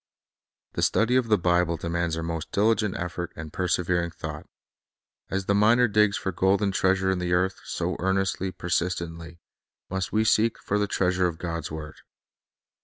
The study of the Bible demands our most diligent effort and persevering thought. As the miner digs for the golden treasure in the earth, so earnestly, persist ently, must we seek for the treasure of God's word.